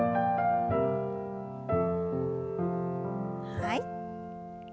はい。